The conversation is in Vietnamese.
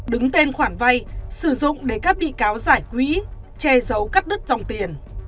đứng tên khoản vay sử dụng để các bị cáo giải quỹ che giấu cắt đứt dòng tiền